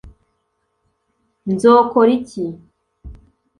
nzokora iki